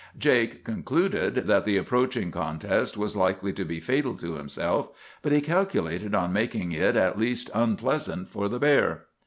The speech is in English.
Jake concluded that the approaching contest was likely to be fatal to himself, but he calculated on making it at least unpleasant for the bear.